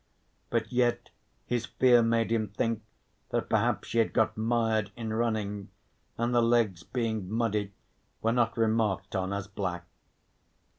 But yet his fear made him think that perhaps she had got mired in running and the legs being muddy were not remarked on as black.